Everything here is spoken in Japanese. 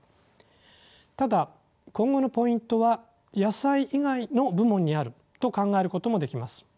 ただ今後のポイントは野菜以外の部門にあると考えることもできます。